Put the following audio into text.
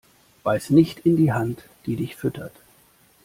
Beiß nicht in die Hand, die dich füttert.